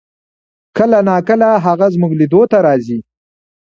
کله نا کله هغه زمونږ لیدو ته راځي